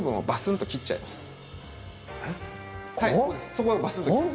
そこをバスンと切ります。